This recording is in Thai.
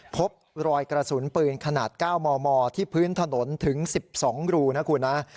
พบรอยกระสุนปืนขนาด๙มมที่พื้นถนนถึง๑๒รูนะคุณนะ